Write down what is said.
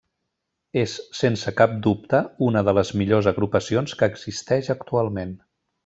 És sense cap dubte una de les millors agrupacions que existeix actualment.